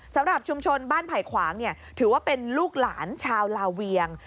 สำหรับชุมชนบ้านไผ่ขวางถือว่าเป็นลูกหลานชาวลาเวียง